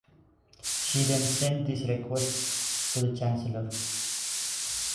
She then sent these requests to the Chancellor.